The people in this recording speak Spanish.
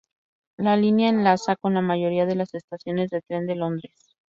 La línea enlaza con la mayoría de las estaciones de tren de Londres.